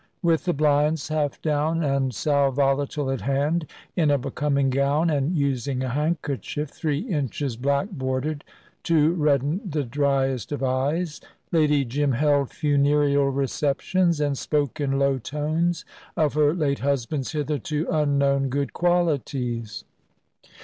With the blinds half down and sal volatile at hand, in a becoming gown, and using a handkerchief, three inches black bordered, to redden the driest of eyes, Lady Jim held funereal receptions, and spoke in low tones of her late husband's hitherto unknown good qualities.